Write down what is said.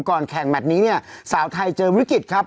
ก่อนแข่งแมทนี้เนี่ยสาวไทยเจอวิกฤตครับ